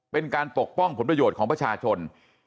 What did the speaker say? เป็นการปกป้องผลประโยชน์ของประชาชน